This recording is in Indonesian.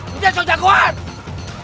lu jangan sok jagoan